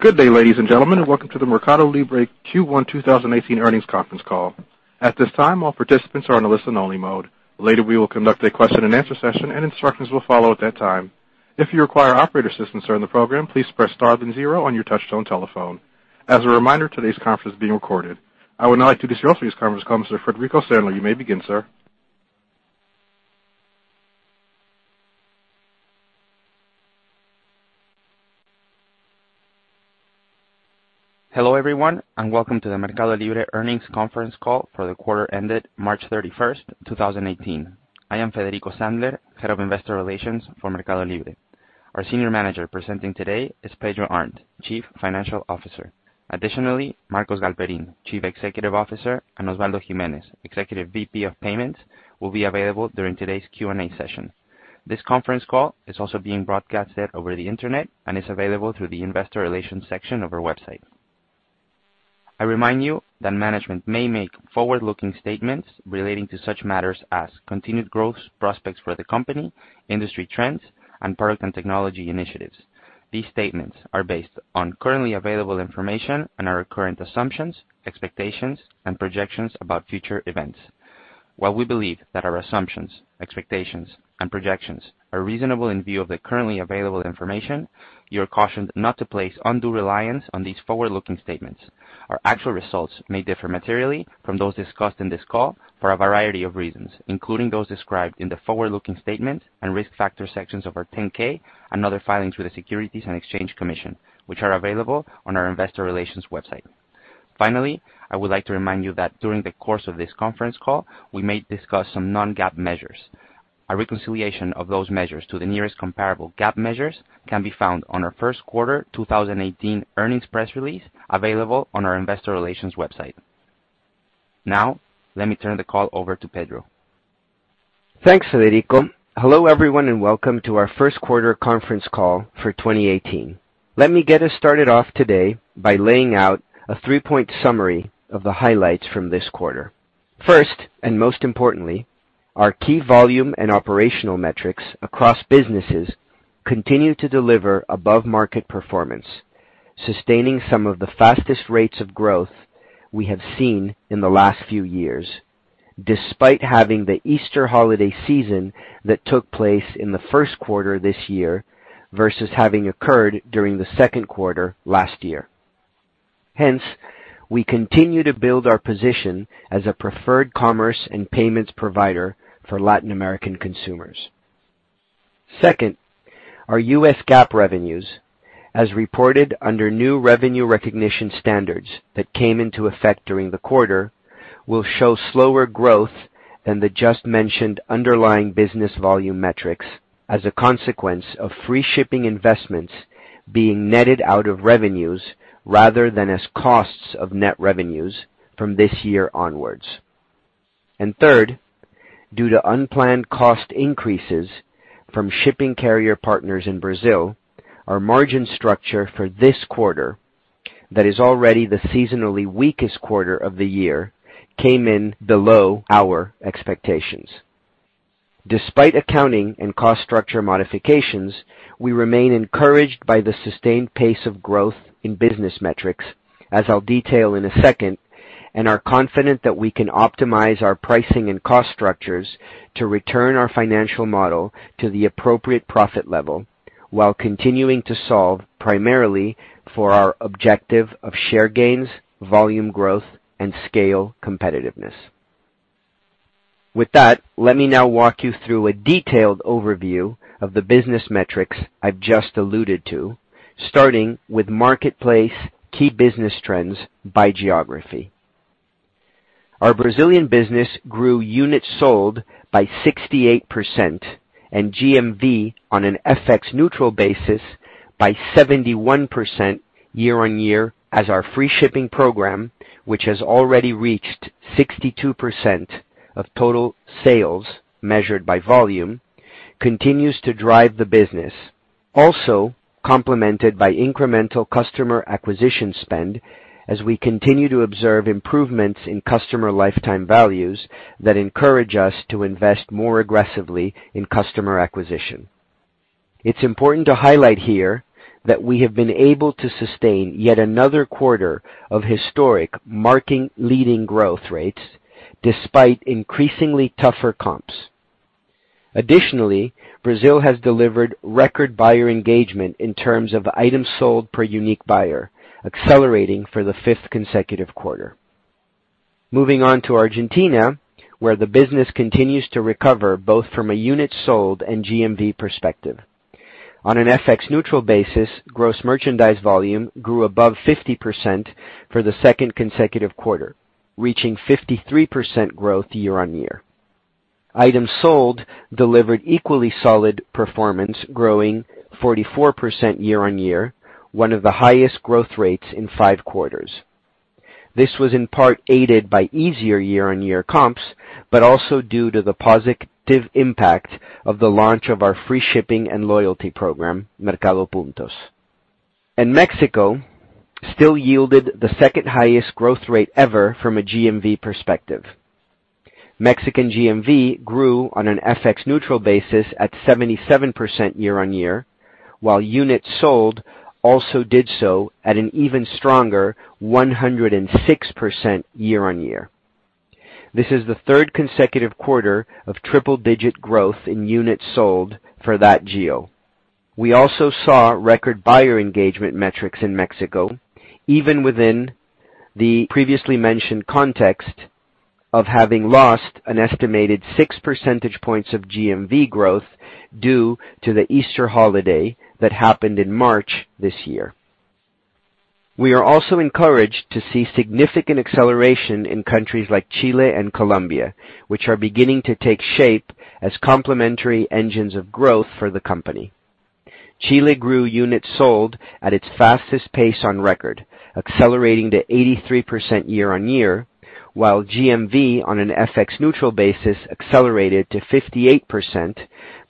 Good day, ladies and gentlemen, welcome to the MercadoLibre Q1 2018 earnings conference call. At this time, all participants are on a listen only mode. Later, we will conduct a question and answer session and instructions will follow at that time. If you require operator assistance during the program, please press star then zero on your touchtone telephone. As a reminder, today's conference is being recorded. I would now like to introduce this conference call, Mr. Federico Sandler. You may begin, sir. Hello, everyone, welcome to the MercadoLibre earnings conference call for the quarter ended March 31st, 2018. I am Federico Sandler, Head of Investor Relations for MercadoLibre. Our senior manager presenting today is Pedro Arnt, Chief Financial Officer. Additionally, Marcos Galperin, Chief Executive Officer, and Osvaldo Gimenez, Executive VP of Payments, will be available during today's Q&A session. This conference call is also being broadcasted over the internet and is available through the investor relations section of our website. I remind you that management may make forward-looking statements relating to such matters as continued growth, prospects for the company, industry trends, product and technology initiatives. These statements are based on currently available information and are our current assumptions, expectations, and projections about future events. While we believe that our assumptions, expectations, and projections are reasonable in view of the currently available information, you are cautioned not to place undue reliance on these forward-looking statements. Our actual results may differ materially from those discussed in this call for a variety of reasons, including those described in the forward-looking statement and risk factor sections of our 10-K and other filings with the Securities and Exchange Commission, which are available on our investor relations website. Finally, I would like to remind you that during the course of this conference call, we may discuss some non-GAAP measures. A reconciliation of those measures to the nearest comparable GAAP measures can be found on our first quarter 2018 earnings press release, available on our investor relations website. Now, let me turn the call over to Pedro. Thanks, Federico. Hello, everyone, welcome to our first quarter conference call for 2018. Let me get us started off today by laying out a three-point summary of the highlights from this quarter. First, most importantly, our key volume and operational metrics across businesses continue to deliver above-market performance, sustaining some of the fastest rates of growth we have seen in the last few years, despite having the Easter holiday season that took place in the first quarter this year versus having occurred during the second quarter last year. Hence, we continue to build our position as a preferred commerce and payments provider for Latin American consumers. Second, our U.S. GAAP revenues, as reported under new revenue recognition standards that came into effect during the quarter, will show slower growth than the just-mentioned underlying business volume metrics as a consequence of free shipping investments being netted out of revenues rather than as costs of net revenues from this year onwards. Third, due to unplanned cost increases from shipping carrier partners in Brazil, our margin structure for this quarter, that is already the seasonally weakest quarter of the year, came in below our expectations. Despite accounting and cost structure modifications, we remain encouraged by the sustained pace of growth in business metrics, as I'll detail in a second, and are confident that we can optimize our pricing and cost structures to return our financial model to the appropriate profit level while continuing to solve primarily for our objective of share gains, volume growth, and scale competitiveness. With that, let me now walk you through a detailed overview of the business metrics I've just alluded to, starting with marketplace key business trends by geography. Our Brazilian business grew units sold by 68% and GMV on an FX neutral basis by 71% year-on-year as our free shipping program, which has already reached 62% of total sales measured by volume, continues to drive the business, also complemented by incremental customer acquisition spend as we continue to observe improvements in customer lifetime values that encourage us to invest more aggressively in customer acquisition. It's important to highlight here that we have been able to sustain yet another quarter of historic market-leading growth rates despite increasingly tougher comps. Additionally, Brazil has delivered record buyer engagement in terms of items sold per unique buyer, accelerating for the fifth consecutive quarter. Moving on to Argentina, where the business continues to recover both from a units sold and GMV perspective. On an FX neutral basis, gross merchandise volume grew above 50% for the second consecutive quarter, reaching 53% growth year-on-year. Items sold delivered equally solid performance, growing 44% year-on-year, one of the highest growth rates in five quarters. This was in part aided by easier year-on-year comps, but also due to the positive impact of the launch of our free shipping and loyalty program, Mercado Puntos. Mexico still yielded the second highest growth rate ever from a GMV perspective. Mexican GMV grew on an FX-neutral basis at 77% year-on-year, while units sold also did so at an even stronger 106% year-on-year. This is the third consecutive quarter of triple-digit growth in units sold for that geo. We also saw record buyer engagement metrics in Mexico, even within the previously mentioned context of having lost an estimated six percentage points of GMV growth due to the Easter holiday that happened in March this year. We are also encouraged to see significant acceleration in countries like Chile and Colombia, which are beginning to take shape as complementary engines of growth for the company. Chile grew units sold at its fastest pace on record, accelerating to 83% year-on-year, while GMV on an FX-neutral basis accelerated to 58%,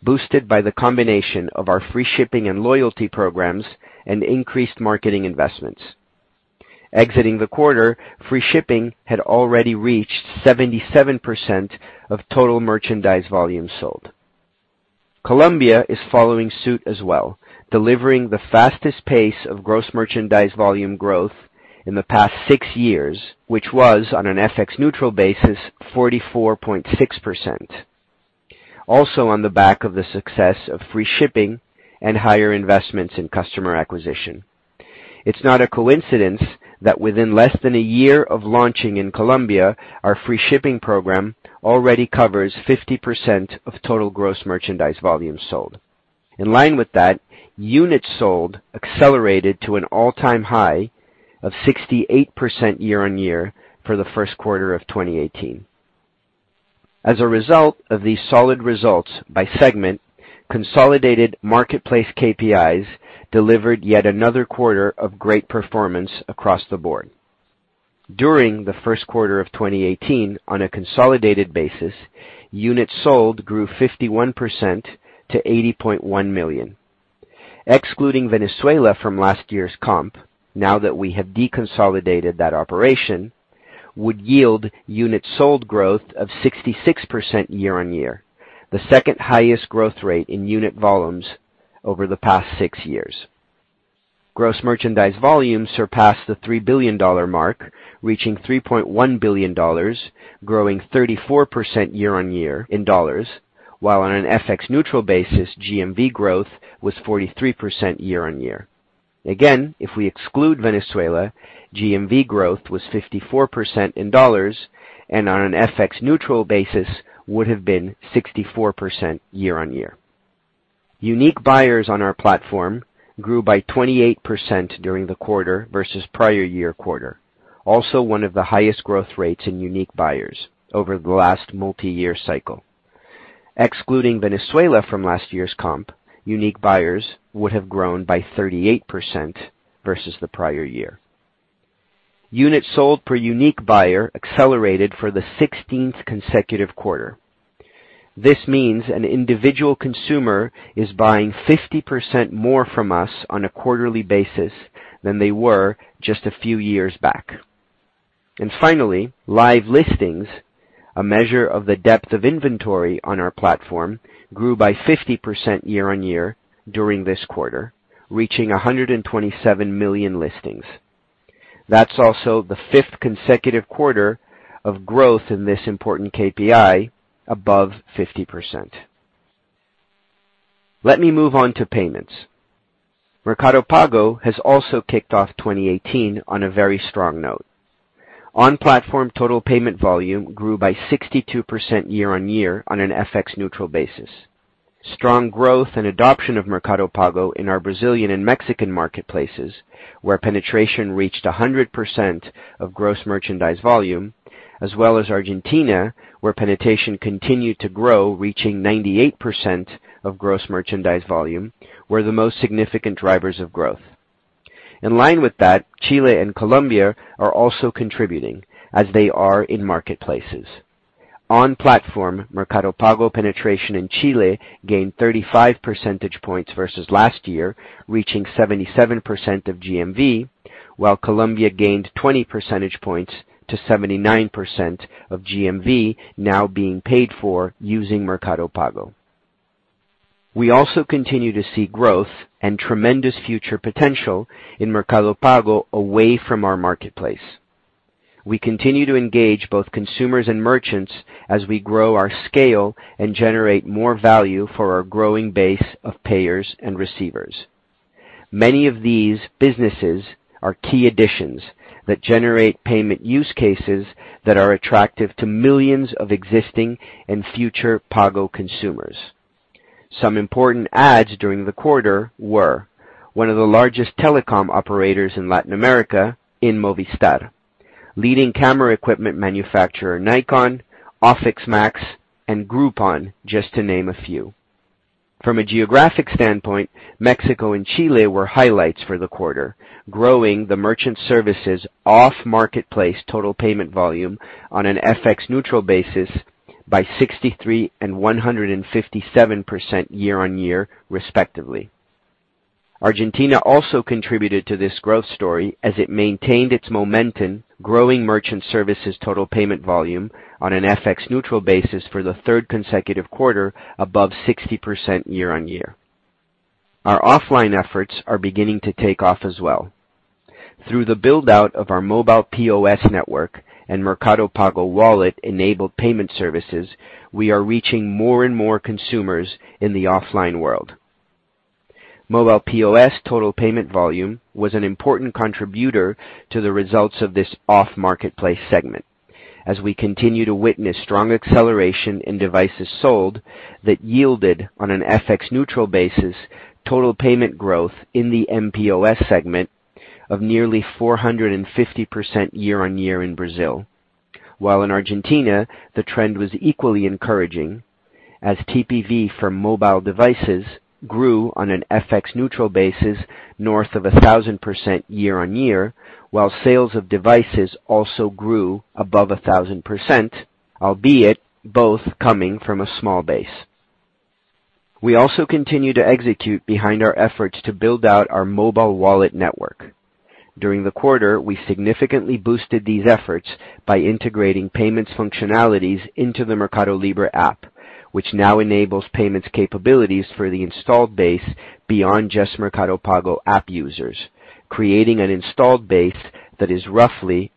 boosted by the combination of our free shipping and loyalty programs and increased marketing investments. Exiting the quarter, free shipping had already reached 77% of total merchandise volume sold. Colombia is following suit as well, delivering the fastest pace of gross merchandise volume growth in the past six years, which was, on an FX-neutral basis, 44.6%. On the back of the success of free shipping and higher investments in customer acquisition. It is not a coincidence that within less than a year of launching in Colombia, our free shipping program already covers 50% of total gross merchandise volume sold. In line with that, units sold accelerated to an all-time high of 68% year-on-year for the first quarter of 2018. As a result of these solid results by segment, consolidated marketplace KPIs delivered yet another quarter of great performance across the board. During the first quarter of 2018, on a consolidated basis, units sold grew 51% to 80.1 million. Excluding Venezuela from last year's comp, now that we have deconsolidated that operation, would yield units sold growth of 66% year-on-year, the second highest growth rate in unit volumes over the past six years. Gross merchandise volume surpassed the $3 billion mark, reaching $3.1 billion, growing 34% year-on-year in dollars, while on an FX-neutral basis, GMV growth was 43% year-on-year. Again, if we exclude Venezuela, GMV growth was 54% in dollars, and on an FX-neutral basis, would have been 64% year-on-year. Unique buyers on our platform grew by 28% during the quarter versus prior year quarter, also one of the highest growth rates in unique buyers over the last multi-year cycle. Excluding Venezuela from last year's comp, unique buyers would have grown by 38% versus the prior year. Units sold per unique buyer accelerated for the 16th consecutive quarter. This means an individual consumer is buying 50% more from us on a quarterly basis than they were just a few years back. Finally, live listings, a measure of the depth of inventory on our platform, grew by 50% year-on-year during this quarter, reaching 127 million listings. That is also the fifth consecutive quarter of growth in this important KPI above 50%. Let me move on to payments. Mercado Pago has also kicked off 2018 on a very strong note. On-platform total payment volume grew by 62% year-on-year on an FX-neutral basis. Strong growth and adoption of Mercado Pago in our Brazilian and Mexican marketplaces, where penetration reached 100% of gross merchandise volume, as well as Argentina, where penetration continued to grow, reaching 98% of gross merchandise volume, were the most significant drivers of growth. In line with that, Chile and Colombia are also contributing as they are in marketplaces. On platform, Mercado Pago penetration in Chile gained 35 percentage points versus last year, reaching 77% of GMV, while Colombia gained 20 percentage points to 79% of GMV now being paid for using Mercado Pago. We also continue to see growth and tremendous future potential in Mercado Pago away from our marketplace. We continue to engage both consumers and merchants as we grow our scale and generate more value for our growing base of payers and receivers. Many of these businesses are key additions that generate payment use cases that are attractive to millions of existing and future Pago consumers. Some important adds during the quarter were one of the largest telecom operators in Latin America in Movistar, leading camera equipment manufacturer Nikon, OfficeMax, and Groupon, just to name a few. From a geographic standpoint, Mexico and Chile were highlights for the quarter, growing the merchant services off-marketplace total payment volume on an FX-neutral basis by 63% and 157% year-on-year, respectively. Argentina also contributed to this growth story as it maintained its momentum, growing merchant services total payment volume on an FX-neutral basis for the third consecutive quarter above 60% year-on-year. Our offline efforts are beginning to take off as well. Through the build-out of our mobile POS network and Mercado Pago wallet-enabled payment services, we are reaching more and more consumers in the offline world. Mobile POS total payment volume was an important contributor to the results of this off-marketplace segment. As we continue to witness strong acceleration in devices sold that yielded, on an FX-neutral basis, total payment growth in the mPOS segment of nearly 450% year-on-year in Brazil. In Argentina, the trend was equally encouraging, as TPV for mobile devices grew on an FX-neutral basis north of 1,000% year-on-year, while sales of devices also grew above 1,000%, albeit both coming from a small base. We also continue to execute behind our efforts to build out our mobile wallet network. During the quarter, we significantly boosted these efforts by integrating payments functionalities into the Mercado Libre app, which now enables payments capabilities for the installed base beyond just Mercado Pago app users, creating an installed base that is roughly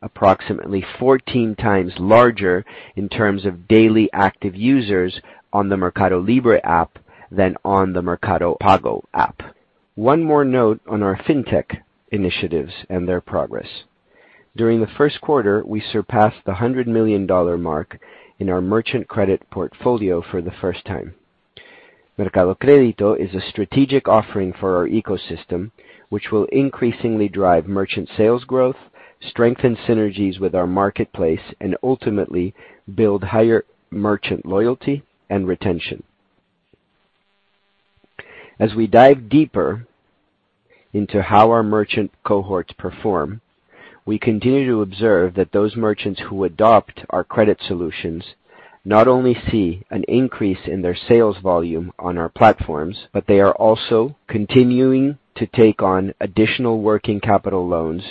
14 times larger in terms of daily active users on the Mercado Libre app than on the Mercado Pago app. One more note on our fintech initiatives and their progress. During the first quarter, we surpassed the $100 million mark in our merchant credit portfolio for the first time. Mercado Crédito is a strategic offering for our ecosystem, which will increasingly drive merchant sales growth, strengthen synergies with our marketplace, and ultimately build higher merchant loyalty and retention. As we dive deeper into how our merchant cohorts perform, we continue to observe that those merchants who adopt our credit solutions not only see an increase in their sales volume on our platforms, but they are also continuing to take on additional working capital loans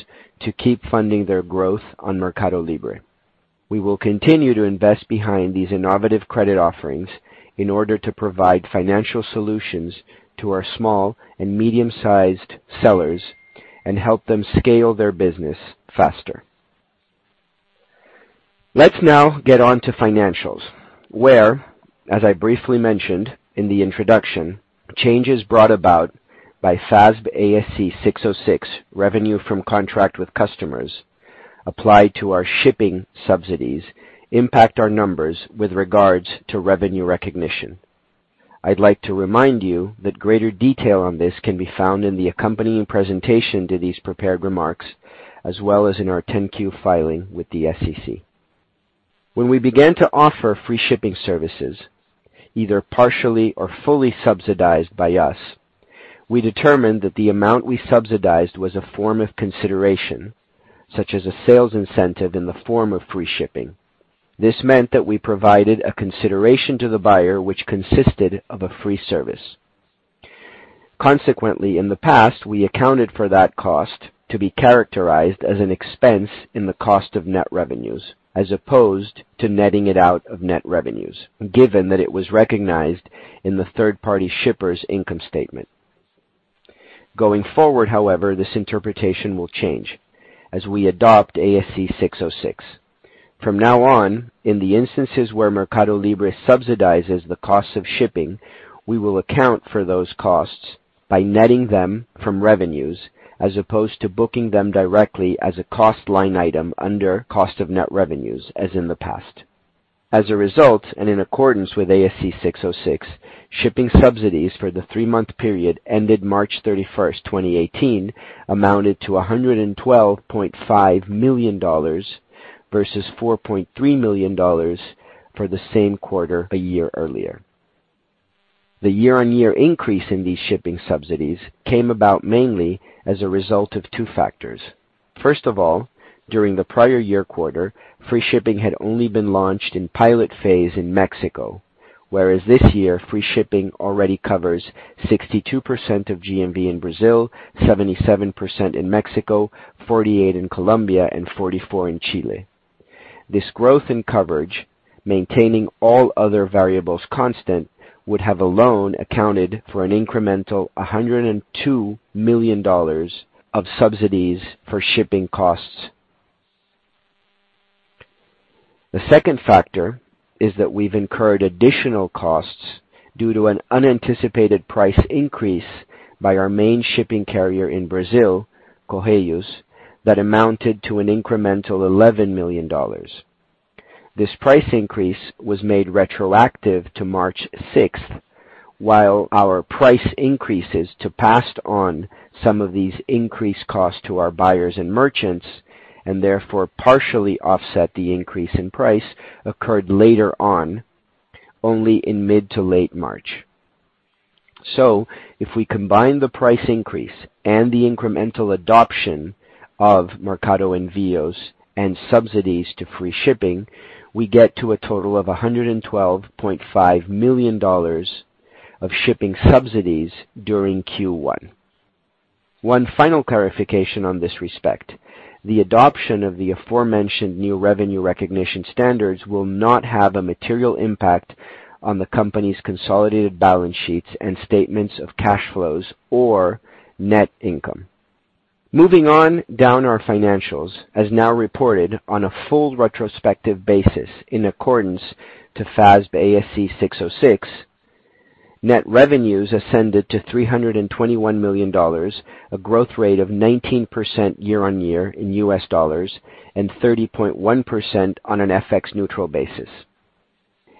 to keep funding their growth on Mercado Libre. We will continue to invest behind these innovative credit offerings in order to provide financial solutions to our small and medium-sized sellers and help them scale their business faster. Let's now get on to financials, where, as I briefly mentioned in the introduction, changes brought about by FASB ASC 606, Revenue from Contracts with Customers, apply to our shipping subsidies impact our numbers with regards to revenue recognition. I'd like to remind you that greater detail on this can be found in the accompanying presentation to these prepared remarks, as well as in our 10-Q filing with the SEC. When we began to offer free shipping services, either partially or fully subsidized by us, we determined that the amount we subsidized was a form of consideration, such as a sales incentive in the form of free shipping. This meant that we provided a consideration to the buyer, which consisted of a free service. Consequently, in the past, we accounted for that cost to be characterized as an expense in the cost of net revenues, as opposed to netting it out of net revenues, given that it was recognized in the third-party shipper's income statement. Going forward, however, this interpretation will change as we adopt ASC 606. From now on, in the instances where MercadoLibre subsidizes the cost of shipping, we will account for those costs by netting them from revenues, as opposed to booking them directly as a cost line item under cost of net revenues, as in the past. As a result, and in accordance with ASC 606, shipping subsidies for the three-month period ended March 31st, 2018, amounted to $112.5 million versus $4.3 million for the same quarter a year earlier. The year-over-year increase in these shipping subsidies came about mainly as a result of two factors. First of all, during the prior year quarter, free shipping had only been launched in pilot phase in Mexico, whereas this year, free shipping already covers 62% of GMV in Brazil, 77% in Mexico, 48% in Colombia, and 44% in Chile. This growth in coverage, maintaining all other variables constant, would have alone accounted for an incremental $102 million of subsidies for shipping costs. The second factor is that we've incurred additional costs due to an unanticipated price increase by our main shipping carrier in Brazil, Correios, that amounted to an incremental $11 million. This price increase was made retroactive to March 6th, while our price increases to pass on some of these increased costs to our buyers and merchants, and therefore partially offset the increase in price, occurred later on, only in mid to late March. If we combine the price increase and the incremental adoption of Mercado Envios and subsidies to free shipping, we get to a total of $112.5 million of shipping subsidies during Q1. One final clarification on this respect, the adoption of the aforementioned new revenue recognition standards will not have a material impact on the company's consolidated balance sheets and statements of cash flows or net income. Moving on down our financials, as now reported on a full retrospective basis in accordance to FASB ASC 606, net revenues ascended to $321 million, a growth rate of 19% year-over-year in US dollars and 30.1% on an FX neutral basis.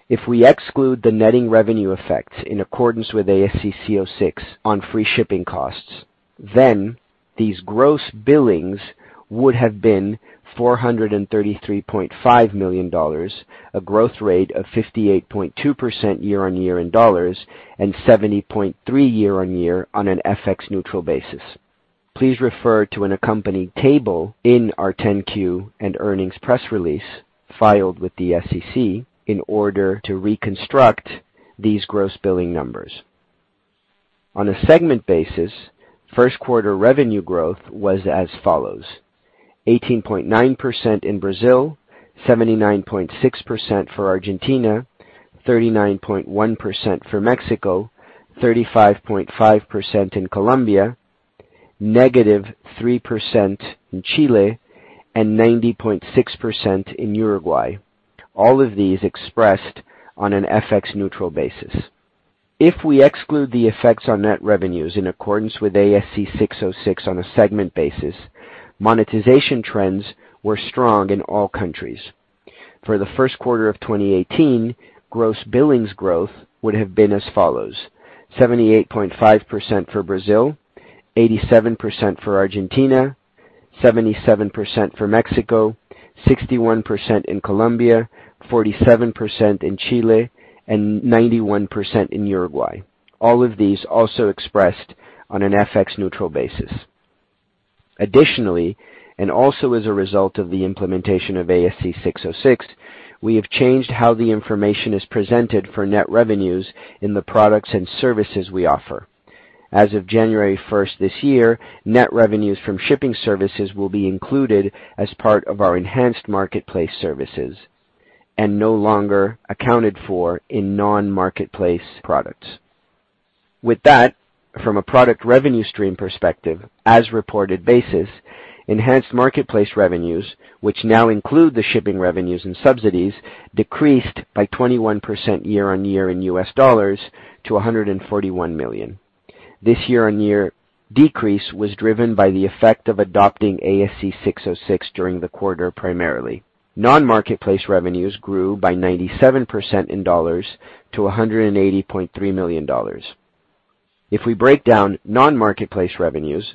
If we exclude the netting revenue effects in accordance with ASC 606 on free shipping costs, then these gross billings would have been $433.5 million, a growth rate of 58.2% year-over-year in dollars and 70.3% year-over-year on an FX neutral basis. Please refer to an accompanied table in our 10-Q and earnings press release filed with the SEC in order to reconstruct these gross billing numbers. On a segment basis, first quarter revenue growth was as follows: 18.9% in Brazil, 79.6% for Argentina, 39.1% for Mexico, 35.5% in Colombia, -3% in Chile, and 90.6% in Uruguay. All of these expressed on an FX neutral basis. If we exclude the effects on net revenues in accordance with ASC 606 on a segment basis, monetization trends were strong in all countries. For the first quarter of 2018, gross billings growth would have been as follows: 78.5% for Brazil, 87% for Argentina, 77% for Mexico, 61% in Colombia, 47% in Chile, and 91% in Uruguay. All of these also expressed on an FX neutral basis. Additionally, as a result of the implementation of ASC 606, we have changed how the information is presented for net revenues in the products and services we offer. As of January 1st this year, net revenues from shipping services will be included as part of our enhanced marketplace services and no longer accounted for in non-marketplace products. With that, from a product revenue stream perspective, as reported basis, enhanced marketplace revenues, which now include the shipping revenues and subsidies, decreased by 21% year-on-year in US dollars to $141 million. This year-on-year decrease was driven by the effect of adopting ASC 606 during the quarter, primarily. Non-marketplace revenues grew by 97% in dollars to $180.3 million. If we break down non-marketplace revenues,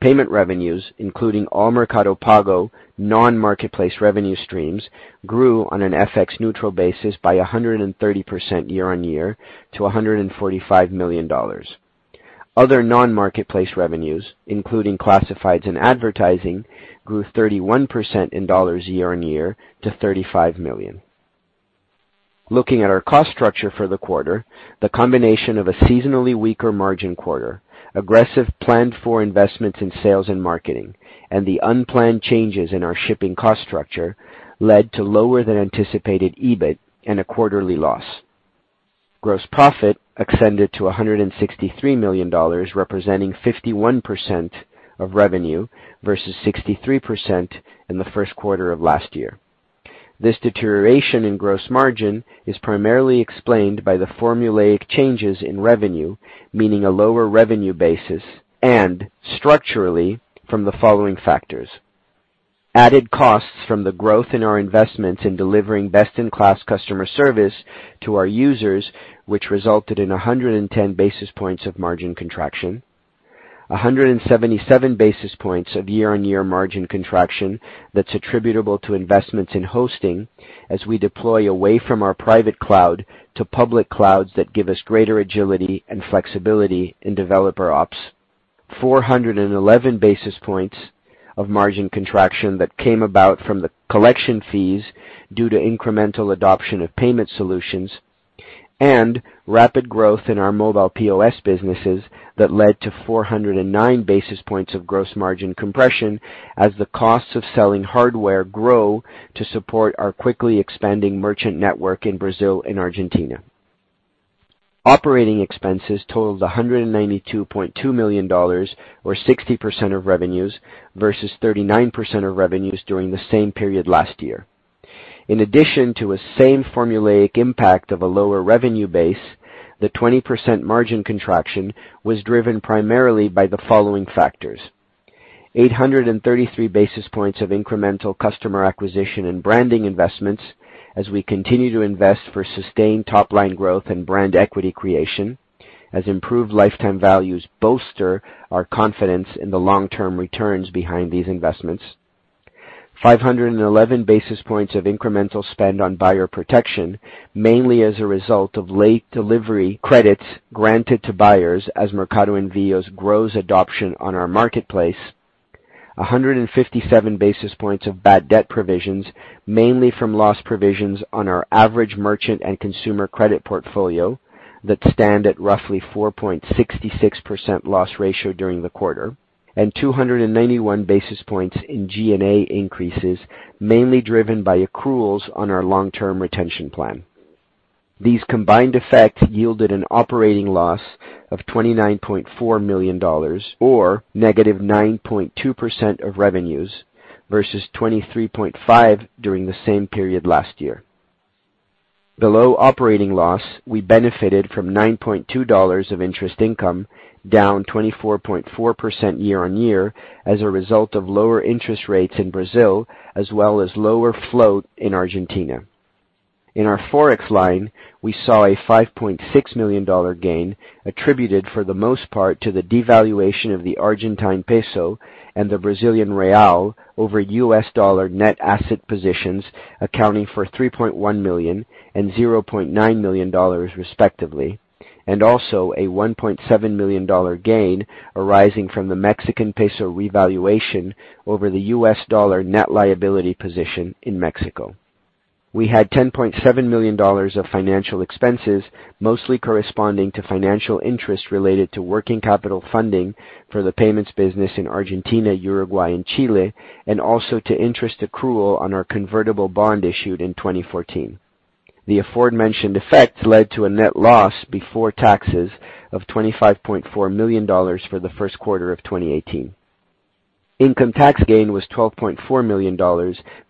payment revenues, including all Mercado Pago non-marketplace revenue streams, grew on an FX neutral basis by 130% year-on-year to $145 million. Other non-marketplace revenues, including classifieds and advertising, grew 31% in dollars year-on-year to $35 million. Looking at our cost structure for the quarter, the combination of a seasonally weaker margin quarter, aggressive planned-for investments in sales and marketing, and the unplanned changes in our shipping cost structure led to lower than anticipated EBIT and a quarterly loss. Gross profit extended to $163 million, representing 51% of revenue, versus 63% in the first quarter of last year. This deterioration in gross margin is primarily explained by the formulaic changes in revenue, meaning a lower revenue basis, and structurally from the following factors. Added costs from the growth in our investments in delivering best-in-class customer service to our users, which resulted in 110 basis points of margin contraction, 177 basis points of year-on-year margin contraction that is attributable to investments in hosting as we deploy away from our private cloud to public clouds that give us greater agility and flexibility in developer ops, 411 basis points of margin contraction that came about from the collection fees due to incremental adoption of payment solutions, and rapid growth in our mobile POS businesses that led to 409 basis points of gross margin compression as the costs of selling hardware grow to support our quickly expanding merchant network in Brazil and Argentina. Operating expenses totaled $192.2 million, or 60% of revenues, versus 39% of revenues during the same period last year. In addition to a same formulaic impact of a lower revenue base, the 20% margin contraction was driven primarily by the following factors. 833 basis points of incremental customer acquisition and branding investments as we continue to invest for sustained top-line growth and brand equity creation, as improved lifetime values bolster our confidence in the long-term returns behind these investments. 511 basis points of incremental spend on buyer protection, mainly as a result of late delivery credits granted to buyers as Mercado Envios grows adoption on our marketplace. 157 basis points of bad debt provisions, mainly from loss provisions on our average merchant and consumer credit portfolio that stand at roughly 4.66% loss ratio during the quarter, and 291 basis points in G&A increases, mainly driven by accruals on our long-term retention plan. These combined effects yielded an operating loss of $29.4 million, or -9.2% of revenues versus 23.5% during the same period last year. Below operating loss, we benefited from $9.2 million of interest income, down 24.4% year-over-year as a result of lower interest rates in Brazil, as well as lower float in Argentina. In our Forex line, we saw a $5.6 million gain attributed for the most part to the devaluation of the Argentine peso and the Brazilian real over USD net asset positions, accounting for $3.1 million and $0.9 million respectively, and also a $1.7 million gain arising from the Mexican peso revaluation over the USD net liability position in Mexico. We had $10.7 million of financial expenses, mostly corresponding to financial interest related to working capital funding for the payments business in Argentina, Uruguay, and Chile, also to interest accrual on our convertible bond issued in 2014. The aforementioned effects led to a net loss before taxes of $25.4 million for the first quarter of 2018. Income tax gain was $12.4 million,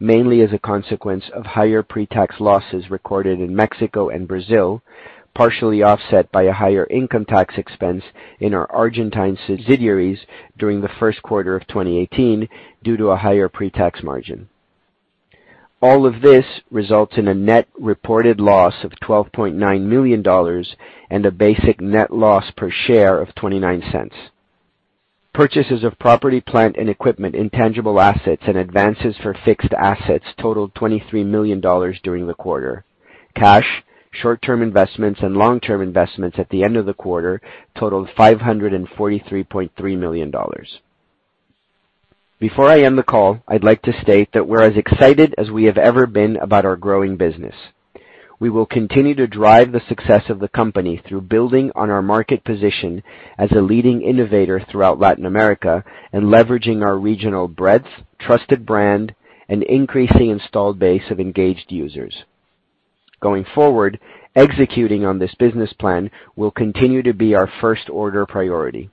mainly as a consequence of higher pre-tax losses recorded in Mexico and Brazil, partially offset by a higher income tax expense in our Argentine subsidiaries during the first quarter of 2018 due to a higher pre-tax margin. All of this results in a net reported loss of $12.9 million and a basic net loss per share of $0.29. Purchases of property, plant, and equipment, intangible assets, and advances for fixed assets totaled $23 million during the quarter. Cash, short-term investments, and long-term investments at the end of the quarter totaled $543.3 million. Before I end the call, I'd like to state that we're as excited as we have ever been about our growing business. We will continue to drive the success of the company through building on our market position as a leading innovator throughout Latin America and leveraging our regional breadth, trusted brand, and increasing installed base of engaged users. Going forward, executing on this business plan will continue to be our first-order priority.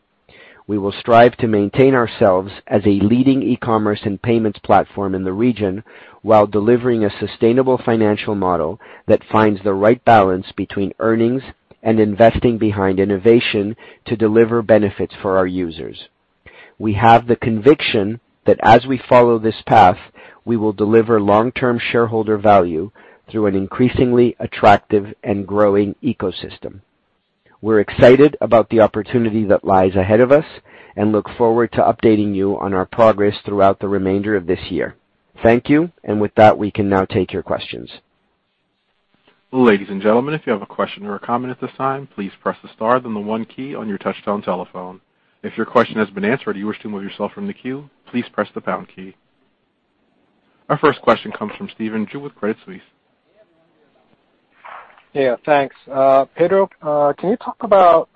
We will strive to maintain ourselves as a leading e-commerce and payments platform in the region, while delivering a sustainable financial model that finds the right balance between earnings and investing behind innovation to deliver benefits for our users. We have the conviction that as we follow this path, we will deliver long-term shareholder value through an increasingly attractive and growing ecosystem. We're excited about the opportunity that lies ahead of us and look forward to updating you on our progress throughout the remainder of this year. Thank you. With that, we can now take your questions. Ladies and gentlemen, if you have a question or a comment at this time, please press the star then the one key on your touchtone telephone. If your question has been answered or you wish to remove yourself from the queue, please press the pound key. Our first question comes from Stephen Ju with Credit Suisse. Yeah, thanks. Pedro, can you talk about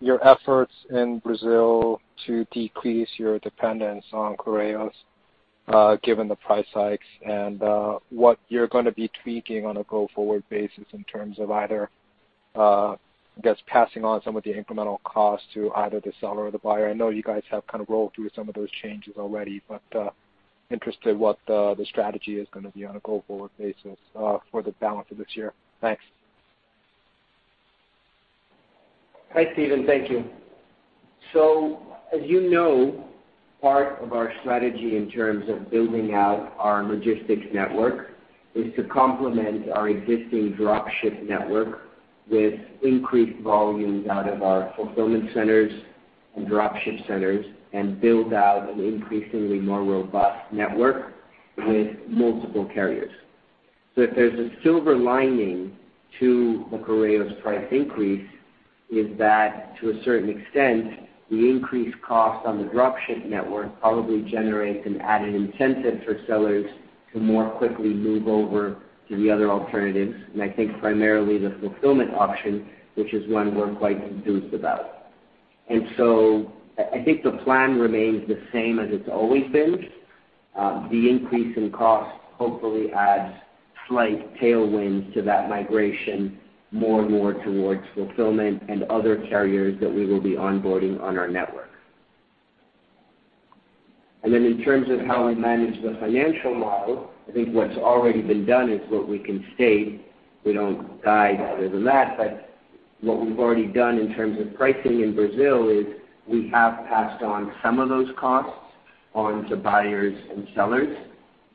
your efforts in Brazil to decrease your dependence on Correios, given the price hikes and what you're going to be tweaking on a go-forward basis in terms of either, I guess, passing on some of the incremental costs to either the seller or the buyer? I know you guys have kind of rolled through some of those changes already, but interested what the strategy is going to be on a go-forward basis for the balance of this year. Thanks. Hi, Stephen. Thank you. As you know, part of our strategy in terms of building out our logistics network is to complement our existing drop ship network with increased volumes out of our fulfillment centers and drop ship centers and build out an increasingly more robust network with multiple carriers. If there's a silver lining to the Correios price increase, is that to a certain extent, the increased cost on the drop ship network probably generates an added incentive for sellers to more quickly move over to the other alternatives, and I think primarily the fulfillment option, which is one we're quite enthused about. I think the plan remains the same as it's always been. The increase in cost hopefully adds slight tailwinds to that migration more and more towards fulfillment and other carriers that we will be onboarding on our network. In terms of how we manage the financial model, I think what's already been done is what we can state. We don't guide other than that, but what we've already done in terms of pricing in Brazil is we have passed on some of those costs on to buyers and sellers.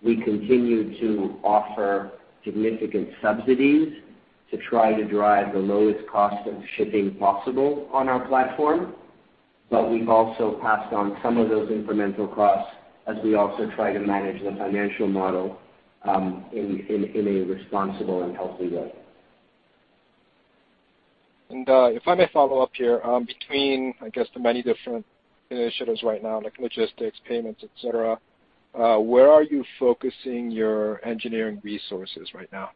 We continue to offer significant subsidies to try to drive the lowest cost of shipping possible on our platform. We've also passed on some of those incremental costs as we also try to manage the financial model in a responsible and healthy way. If I may follow up here, between, I guess the many different initiatives right now, like logistics, payments, et cetera, where are you focusing your engineering resources right now?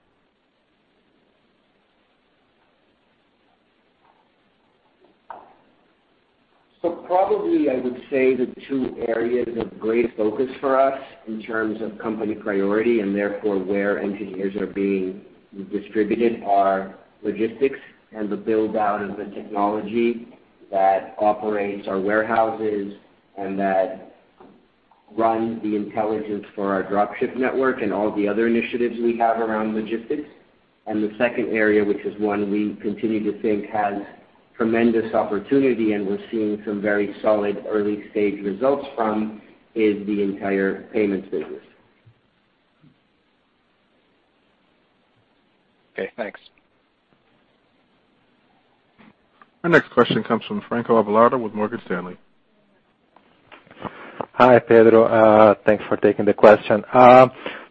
Probably I would say the two areas of great focus for us in terms of company priority and therefore where engineers are being distributed, are logistics and the build-out of the technology that operates our warehouses and that runs the intelligence for our drop ship network and all the other initiatives we have around logistics. The second area, which is one we continue to think has tremendous opportunity and we're seeing some very solid early-stage results from, is the entire payments business. Okay, thanks. Our next question comes from Franco Arevalo with Morgan Stanley. Hi, Pedro. Thanks for taking the question.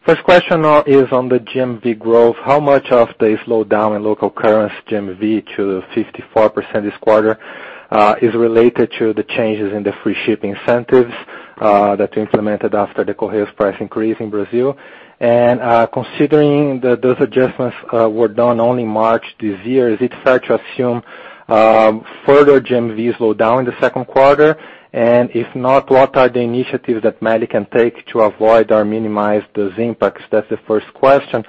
First question is on the GMV growth. How much of the slowdown in local currency GMV to 54% this quarter, is related to the changes in the free shipping incentives, that you implemented after the Correios price increase in Brazil? Considering that those adjustments were done only March this year, is it fair to assume further GMV slowdown in the second quarter? If not, what are the initiatives that Meli can take to avoid or minimize those impacts? That's the first question.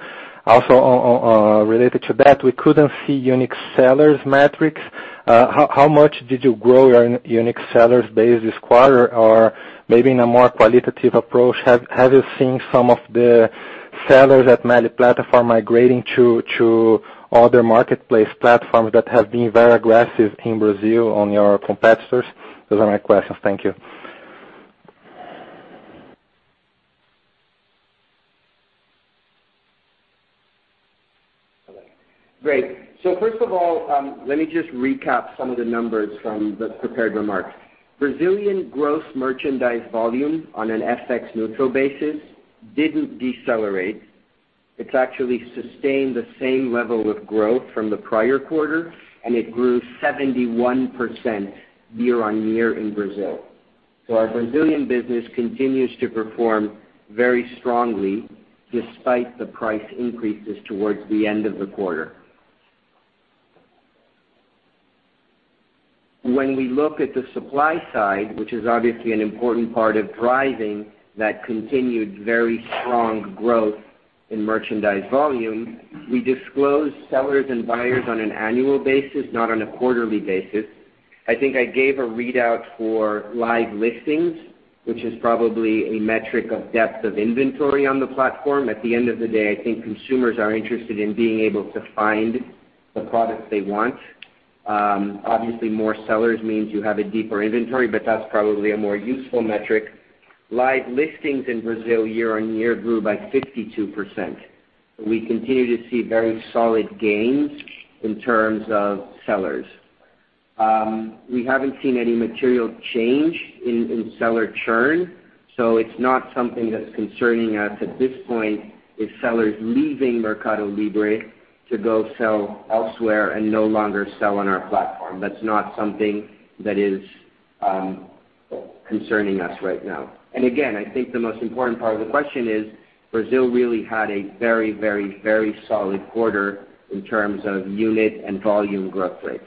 Related to that, we couldn't see unique sellers metrics. How much did you grow your unique sellers base this quarter? Or maybe in a more qualitative approach, have you seen some of the sellers at Meli platform migrating to other marketplace platforms that have been very aggressive in Brazil on your competitors? Those are my questions. Thank you. Great. First of all, let me just recap some of the numbers from the prepared remarks. Brazilian gross merchandise volume on an FX neutral basis didn't decelerate. It's actually sustained the same level of growth from the prior quarter, and it grew 71% year-on-year in Brazil. Our Brazilian business continues to perform very strongly despite the price increases towards the end of the quarter. When we look at the supply side, which is obviously an important part of driving that continued very strong growth in merchandise volume, we disclose sellers and buyers on an annual basis, not on a quarterly basis. I think I gave a readout for live listings, which is probably a metric of depth of inventory on the platform. At the end of the day, I think consumers are interested in being able to find the products they want. More sellers means you have a deeper inventory, but that's probably a more useful metric. Live listings in Brazil year-on-year grew by 52%. We continue to see very solid gains in terms of sellers. We haven't seen any material change in seller churn, so it's not something that's concerning us at this point, is sellers leaving MercadoLibre to go sell elsewhere and no longer sell on our platform. That's not something that is concerning us right now. Again, I think the most important part of the question is Brazil really had a very solid quarter in terms of unit and volume growth rates.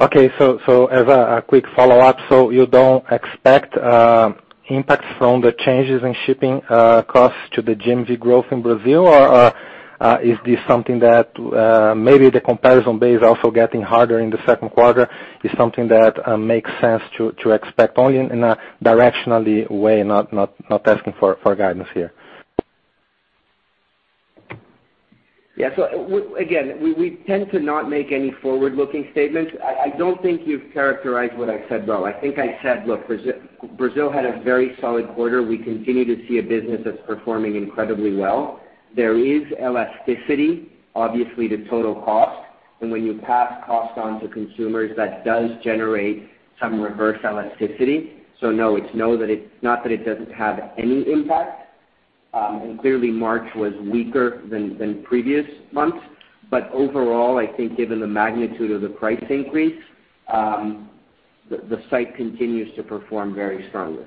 As a quick follow-up, so you don't expect impacts from the changes in shipping costs to the GMV growth in Brazil? Is this something that maybe the comparison base also getting harder in the second quarter is something that makes sense to expect only in a directionally way? Not asking for guidance here. Again, we tend to not make any forward-looking statements. I don't think you've characterized what I said well. I think I said, look, Brazil had a very solid quarter. We continue to see a business that's performing incredibly well. There is elasticity, obviously, to total cost. When you pass cost on to consumers, that does generate some reverse elasticity. No, it's not that it doesn't have any impact, and clearly March was weaker than previous months. Overall, I think given the magnitude of the price increase, the site continues to perform very strongly.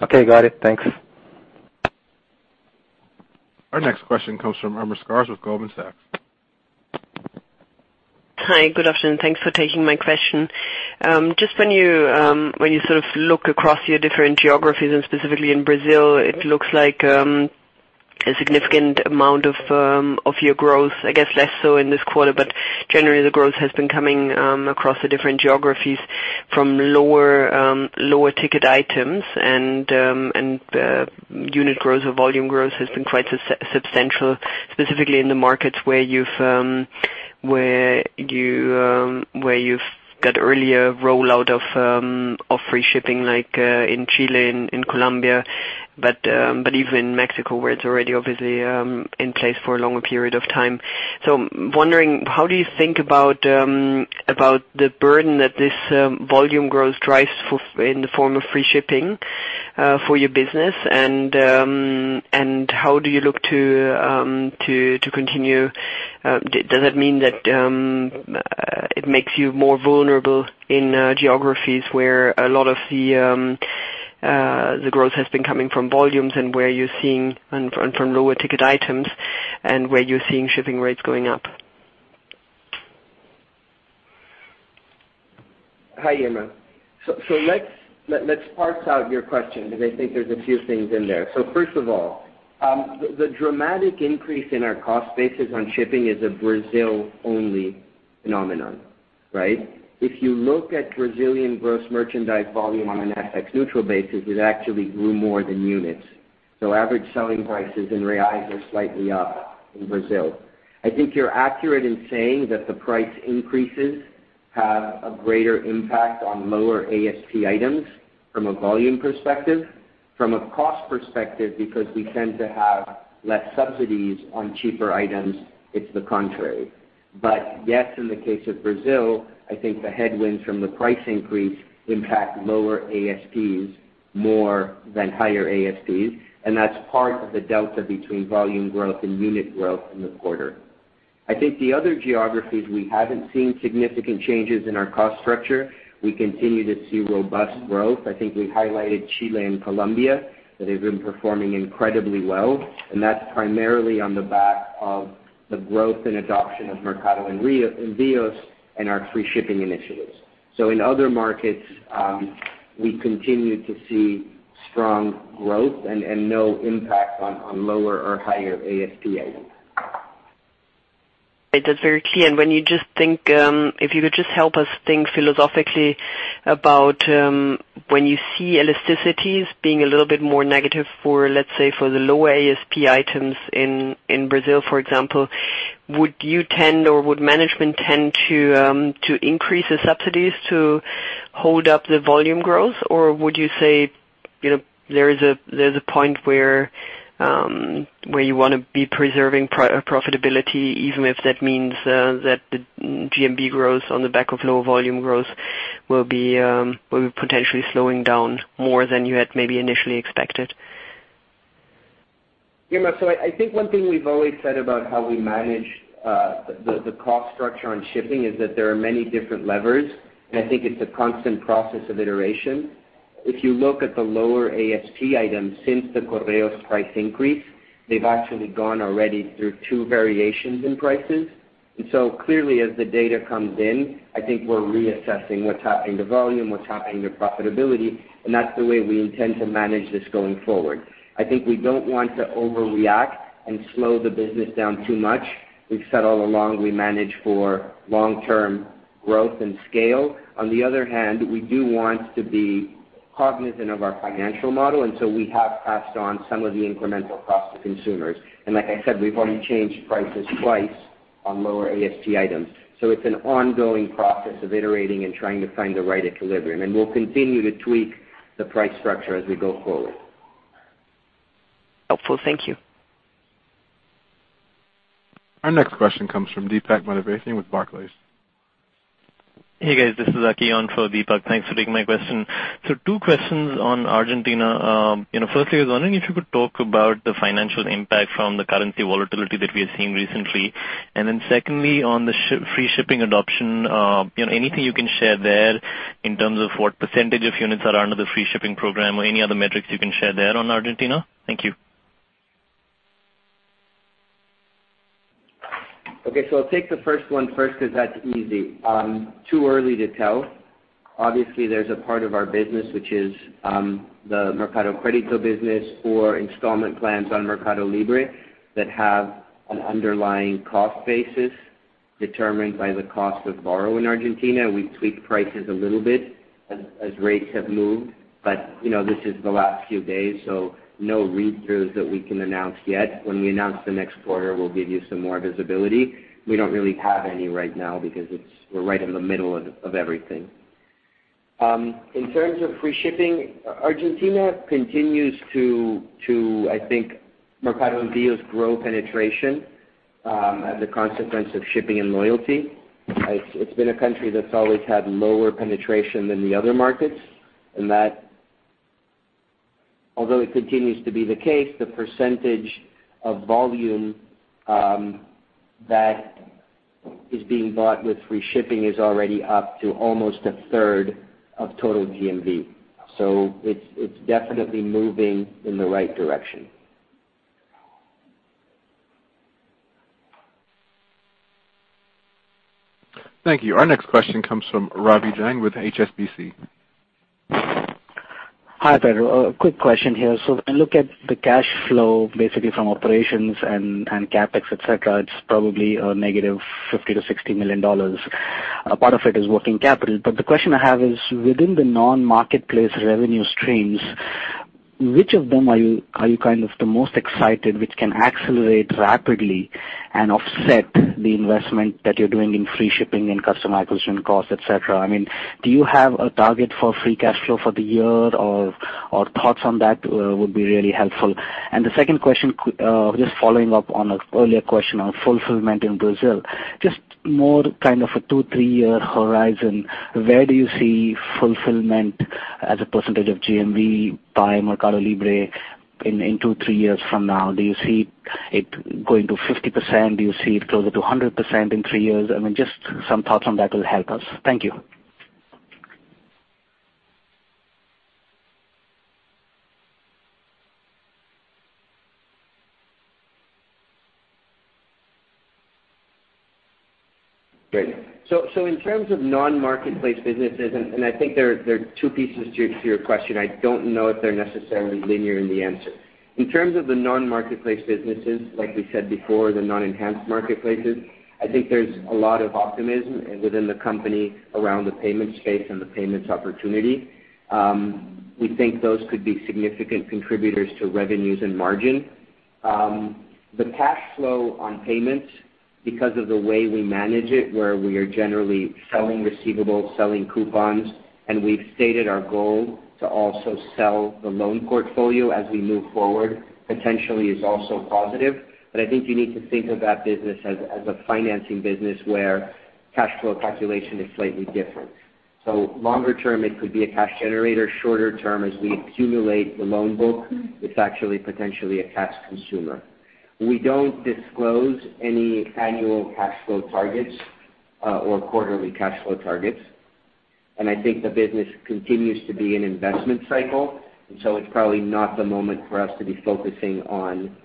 Got it. Thanks. Our next question comes from Irma Sgarz with Goldman Sachs. Hi, good afternoon. Thanks for taking my question. Just when you sort of look across your different geographies and specifically in Brazil, it looks like, a significant amount of your growth, I guess less so in this quarter, but generally the growth has been coming across the different geographies from lower ticket items and unit growth or volume growth has been quite substantial, specifically in the markets where you've got earlier rollout of free shipping like in Chile and in Colombia. Even in Mexico, where it's already obviously in place for a longer period of time. I'm wondering, how do you think about the burden that this volume growth drives in the form of free shipping for your business and how do you look to continue? Does that mean that it makes you more vulnerable in geographies where a lot of the growth has been coming from volumes and from lower ticket items and where you're seeing shipping rates going up? Hi, Irma. Let's parse out your question because I think there's a few things in there. First of all, the dramatic increase in our cost basis on shipping is a Brazil-only phenomenon, right? If you look at Brazilian gross merchandise volume on an FX neutral basis, it actually grew more than units. Average selling prices in reais are slightly up in Brazil. I think you're accurate in saying that the price increases have a greater impact on lower ASP items from a volume perspective. From a cost perspective, because we tend to have less subsidies on cheaper items, it's the contrary. Yes, in the case of Brazil, I think the headwinds from the price increase impact lower ASPs more than higher ASPs, and that's part of the delta between volume growth and unit growth in the quarter. I think the other geographies, we haven't seen significant changes in our cost structure. We continue to see robust growth. I think we've highlighted Chile and Colombia, that have been performing incredibly well, and that's primarily on the back of the growth and adoption of Mercado Envios and our free shipping initiatives. In other markets, we continue to see strong growth and no impact on lower or higher ASP items. That's very clear. If you could just help us think philosophically about when you see elasticities being a little bit more negative for, let's say, for the lower ASP items in Brazil, for example, would you tend or would management tend to increase the subsidies to hold up the volume growth? Or would you say there's a point where you want to be preserving profitability, even if that means that the GMV growth on the back of low volume growth will be potentially slowing down more than you had maybe initially expected? Irma, I think one thing we've always said about how we manage the cost structure on shipping is that there are many different levers, and I think it's a constant process of iteration. If you look at the lower ASP items since the Correos price increase, they've actually gone already through two variations in prices. Clearly as the data comes in, I think we're reassessing what's happening to volume, what's happening to profitability, and that's the way we intend to manage this going forward. I think we don't want to overreact and slow the business down too much. We've said all along we manage for long-term growth and scale. On the other hand, we do want to be cognizant of our financial model, and so we have passed on some of the incremental costs to consumers. Like I said, we've only changed prices twice on lower ASP items. It's an ongoing process of iterating and trying to find the right equilibrium, and we'll continue to tweak the price structure as we go forward. Helpful. Thank you. Our next question comes from Deepak Mathivanan with Barclays. Hey, guys, this is Aki on for Deepak. Thanks for taking my question. Two questions on Argentina. Firstly, I was wondering if you could talk about the financial impact from the currency volatility that we have seen recently. Secondly, on the free shipping adoption, anything you can share there in terms of what % of units are under the free shipping program or any other metrics you can share there on Argentina? Thank you. I'll take the first one first because that's easy. Too early to tell. Obviously, there's a part of our business, which is the Mercado Crédito business for installment plans on Mercado Libre that have an underlying cost basis determined by the cost of borrow in Argentina. We've tweaked prices a little bit as rates have moved. This is the last few days, no read throughs that we can announce yet. When we announce the next quarter, we'll give you some more visibility. We don't really have any right now because we're right in the middle of everything. In terms of free shipping, Argentina continues to, I think, Mercado Envios grow penetration as a consequence of shipping and loyalty. It's been a country that's always had lower penetration than the other markets, and that although it continues to be the case, the percentage of volume that is being bought with free shipping is already up to almost a third of total GMV. It's definitely moving in the right direction. Thank you. Our next question comes from Ravi Jain with HSBC. Hi, Pedro. A quick question here. I look at the cash flow basically from operations and CapEx, et cetera. It's probably a negative $50 million to -$60 million. A part of it is working capital. The question I have is within the non-marketplace revenue streams, which of them are you the most excited, which can accelerate rapidly and offset the investment that you're doing in free shipping and customer acquisition costs, et cetera? Do you have a target for free cash flow for the year or thoughts on that would be really helpful. The second question, just following up on an earlier question on fulfillment in Brazil. Just more a two, three-year horizon. Where do you see fulfillment as a percentage of GMV by MercadoLibre in two, three years from now? Do you see it going to 50%? Do you see it closer to 100% in three years? Just some thoughts on that will help us. Thank you. Great. In terms of non-marketplace businesses, I think there are two pieces to your question. I don't know if they're necessarily linear in the answer. In terms of the non-marketplace businesses, like we said before, the non-enhanced marketplaces, I think there's a lot of optimism within the company around the payments space and the payments opportunity. We think those could be significant contributors to revenues and margin. The cash flow on payments, because of the way we manage it, where we are generally selling receivables, selling coupons, and we've stated our goal to also sell the loan portfolio as we move forward, potentially is also positive. I think you need to think of that business as a financing business where cash flow calculation is slightly different. Longer term, it could be a cash generator. Shorter term, as we accumulate the loan book, it's actually potentially a cash consumer. We don't disclose any annual cash flow targets or quarterly cash flow targets. I think the business continues to be an investment cycle, so it's probably not the moment for us to be focusing on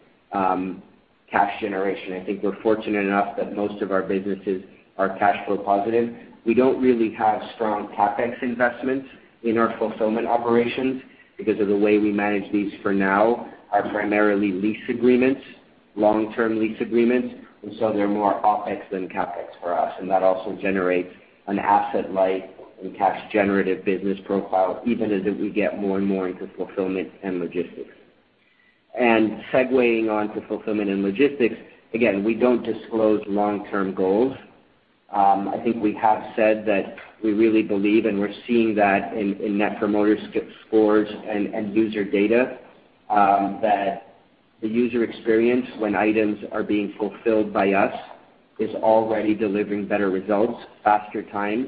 cash generation. I think we're fortunate enough that most of our businesses are cash flow positive. We don't really have strong CapEx investments in our fulfillment operations because of the way we manage these for now are primarily lease agreements, long-term lease agreements, so they're more OpEx than CapEx for us, that also generates an asset-light and cash generative business profile, even as we get more and more into fulfillment and logistics. Segueing on to fulfillment and logistics, again, we don't disclose long-term goals. I think we have said that we really believe, we're seeing that in net promoter scores and user data, that the user experience when items are being fulfilled by us is already delivering better results, faster times,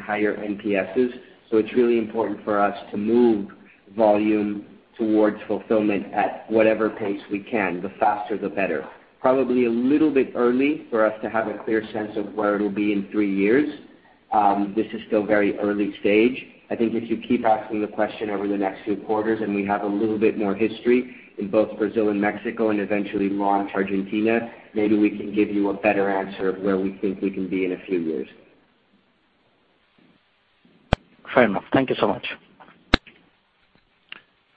higher NPSs. It's really important for us to move volume towards fulfillment at whatever pace we can. The faster, the better. Probably a little bit early for us to have a clear sense of where it'll be in three years. This is still very early stage. I think if you keep asking the question over the next few quarters, we have a little bit more history in both Brazil and Mexico, eventually launch Argentina, maybe we can give you a better answer of where we think we can be in a few years. Fair enough. Thank you so much.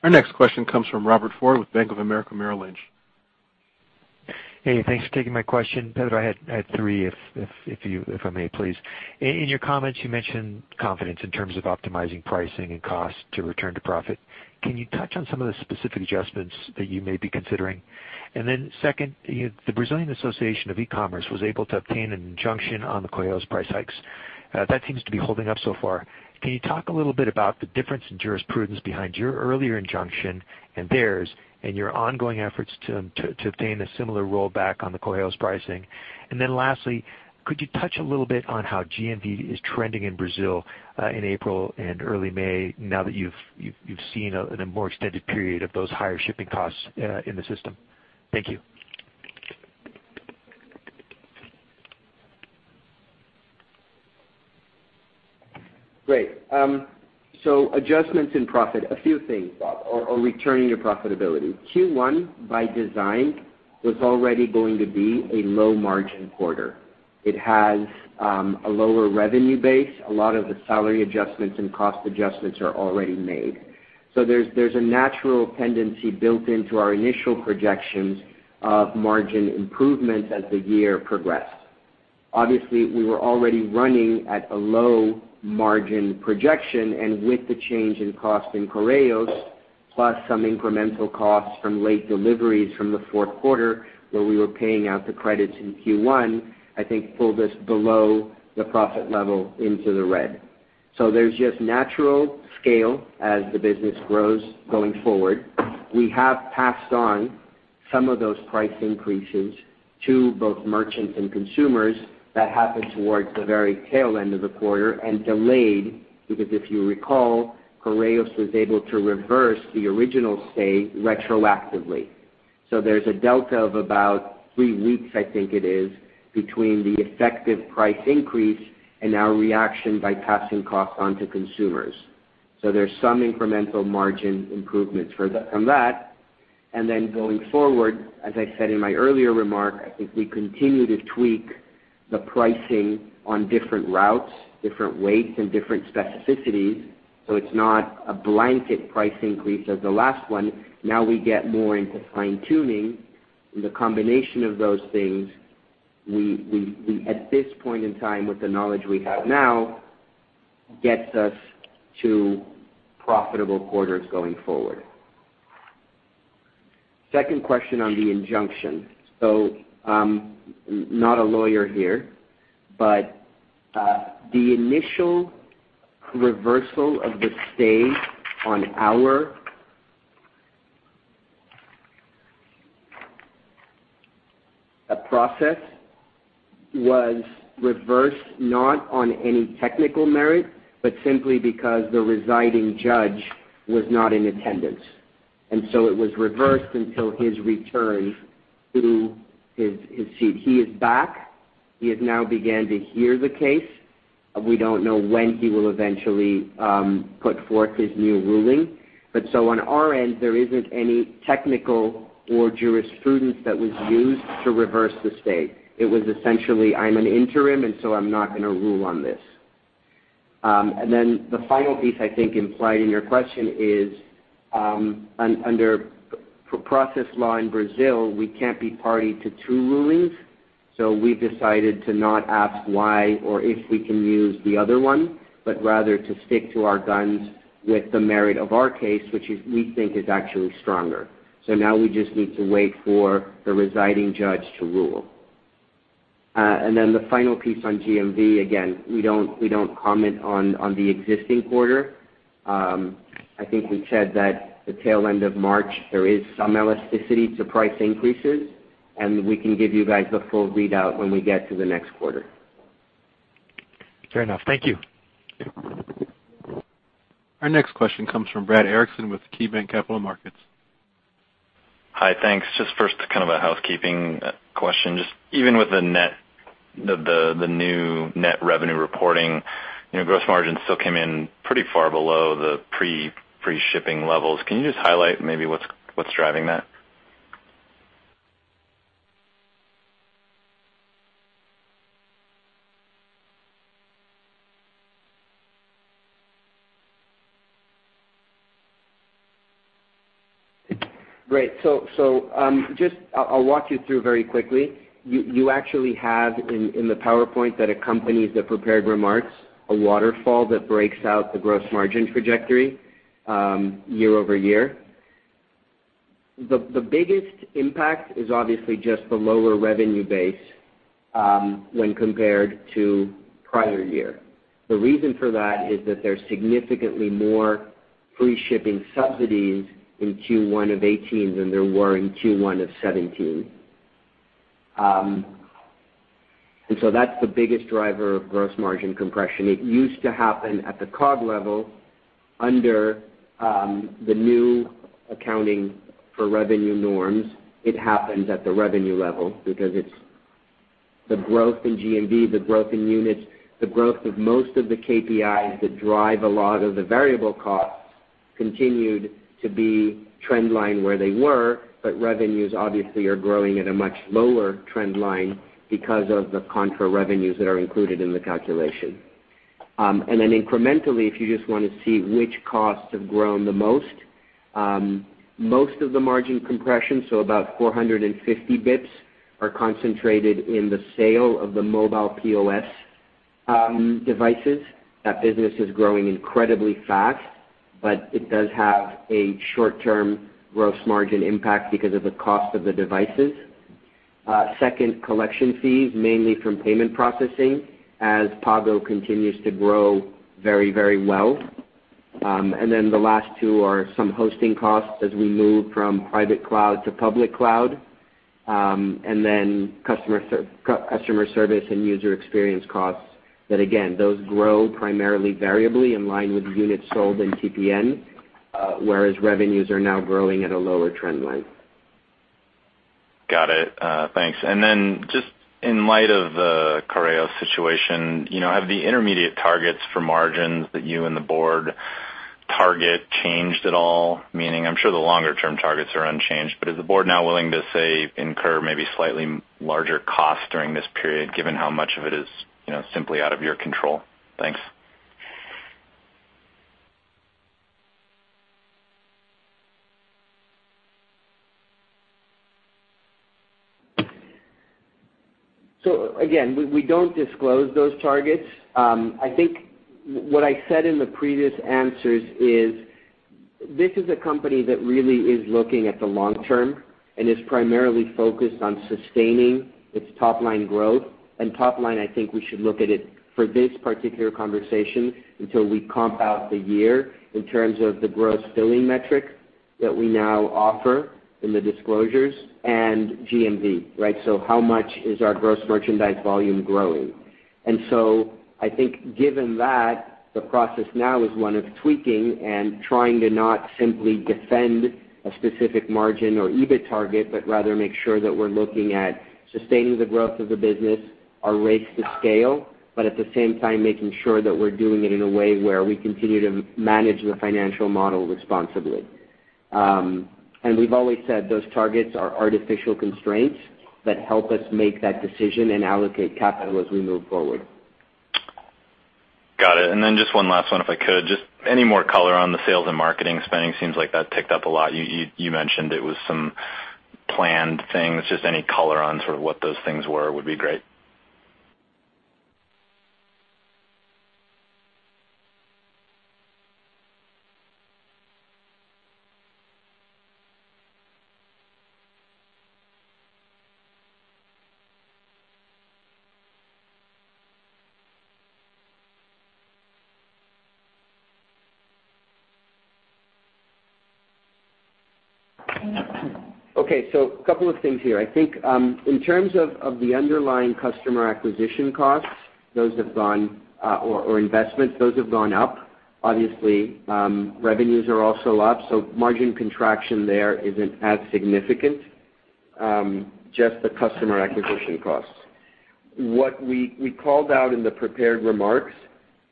Our next question comes from Robert Ford with Bank of America Merrill Lynch. Hey, thanks for taking my question. Pedro, I had three, if I may, please. In your comments, you mentioned confidence in terms of optimizing pricing and cost to return to profit. Can you touch on some of the specific adjustments that you may be considering? Second, the Brazilian Association of E-commerce was able to obtain an injunction on the Correios price hikes. That seems to be holding up so far. Can you talk a little bit about the difference in jurisprudence behind your earlier injunction and theirs and your ongoing efforts to obtain a similar rollback on the Correios pricing? Lastly, could you touch a little bit on how GMV is trending in Brazil in April and early May now that you've seen a more extended period of those higher shipping costs in the system? Thank you. Great. Adjustments in profit, a few things, Bob. Or returning to profitability. Q1, by design, was already going to be a low-margin quarter. It has a lower revenue base. A lot of the salary adjustments and cost adjustments are already made. There's a natural tendency built into our initial projections of margin improvements as the year progressed. Obviously, we were already running at a low margin projection, and with the change in cost in Correios, plus some incremental costs from late deliveries from the fourth quarter where we were paying out the credits in Q1, I think pulled us below the profit level into the red. There's just natural scale as the business grows going forward. We have passed on some of those price increases to both merchants and consumers that happened towards the very tail end of the quarter and delayed because if you recall, Correios was able to reverse the original stay retroactively. There's a delta of about three weeks, I think it is, between the effective price increase and our reaction by passing costs on to consumers. There's some incremental margin improvements from that. Going forward, as I said in my earlier remark, I think we continue to tweak the pricing on different routes, different weights, and different specificities. It's not a blanket price increase as the last one. Now we get more into fine-tuning the combination of those things. At this point in time, with the knowledge we have now, this gets us to profitable quarters going forward. Second question on the injunction. I'm not a lawyer here, but the initial reversal of the stay on our process was reversed not on any technical merit, but simply because the presiding judge was not in attendance, and so it was reversed until his return to his seat. He is back. He has now began to hear the case. We don't know when he will eventually put forth his new ruling. On our end, there isn't any technical or jurisprudence that was used to reverse the stay. It was essentially, I'm an interim, and so I'm not going to rule on this. The final piece, I think, implied in your question is, under process law in Brazil, we can't be party to two rulings. We've decided to not ask why or if we can use the other one, but rather to stick to our guns with the merit of our case, which we think is actually stronger. Now we just need to wait for the presiding judge to rule. The final piece on GMV, again, we don't comment on the existing quarter. I think we said that the tail end of March, there is some elasticity to price increases, and we can give you guys a full readout when we get to the next quarter. Fair enough. Thank you. Yeah. Our next question comes from Brad Erickson with KeyBanc Capital Markets. Hi, thanks. First, kind of a housekeeping question. Even with the new net revenue reporting, gross margins still came in pretty far below the pre-free shipping levels. Can you just highlight maybe what's driving that? Great. I'll walk you through very quickly. You actually have, in the PowerPoint that accompanies the prepared remarks, a waterfall that breaks out the gross margin trajectory year-over-year. The biggest impact is obviously just the lower revenue base when compared to prior year. The reason for that is that there's significantly more free shipping subsidies in Q1 of 2018 than there were in Q1 of 2017. That's the biggest driver of gross margin compression. It used to happen at the COGS level under the new accounting for revenue norms. It happens at the revenue level because it's the growth in GMV, the growth in units, the growth of most of the KPIs that drive a lot of the variable costs continued to be trend line where they were, but revenues obviously are growing at a much lower trend line because of the contra revenues that are included in the calculation. Incrementally, if you just want to see which costs have grown the most of the margin compression, so about 450 basis points, are concentrated in the sale of the mobile POS devices. That business is growing incredibly fast, but it does have a short-term gross margin impact because of the cost of the devices. Second, collection fees, mainly from payment processing, as Pago continues to grow very well. The last two are some hosting costs as we move from private cloud to public cloud, and then customer service and user experience costs that, again, those grow primarily variably in line with units sold in TPV, whereas revenues are now growing at a lower trend line. Got it. Thanks. Just in light of the Correios situation, have the intermediate targets for margins that you and the board target changed at all? Meaning, I'm sure the longer-term targets are unchanged, but is the board now willing to say incur maybe slightly larger costs during this period given how much of it is simply out of your control? Thanks. Again, we don't disclose those targets. I think what I said in the previous answers is, this is a company that really is looking at the long term and is primarily focused on sustaining its top-line growth. Top line, I think we should look at it for this particular conversation until we comp out the year in terms of the gross billing metric that we now offer in the disclosures and GMV, right? How much is our gross merchandise volume growing? I think given that, the process now is one of tweaking and trying to not simply defend a specific margin or EBIT target, but rather make sure that we're looking at sustaining the growth of the business, our race to scale, but at the same time making sure that we're doing it in a way where we continue to manage the financial model responsibly. We've always said those targets are artificial constraints that help us make that decision and allocate capital as we move forward. Got it. Just one last one, if I could. Just any more color on the sales and marketing spending seems like that ticked up a lot. You mentioned it was some planned things, just any color on sort of what those things were would be great. Okay. A couple of things here. I think, in terms of the underlying customer acquisition costs or investments, those have gone up. Obviously, revenues are also up. Margin contraction there isn't as significant, just the customer acquisition costs. What we called out in the prepared remarks.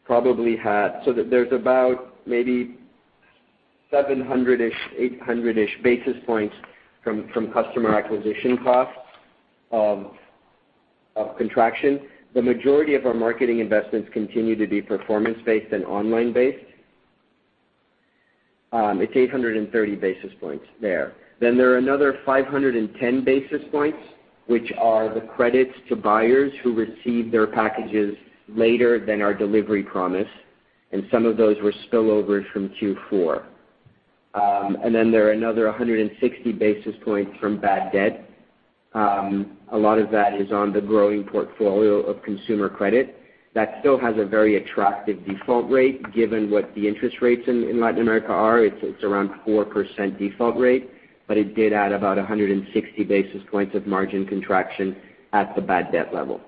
There's about maybe 700-ish, 800-ish basis points from customer acquisition costs of contraction. The majority of our marketing investments continue to be performance-based and online-based. It's 830 basis points there. There are another 510 basis points, which are the credits to buyers who receive their packages later than our delivery promise, and some of those were spillovers from Q4. There are another 160 basis points from bad debt. A lot of that is on the growing portfolio of consumer credit. That still has a very attractive default rate given what the interest rates in Latin America are. It's around 4% default rate. It did add about 160 basis points of margin contraction at the bad debt level.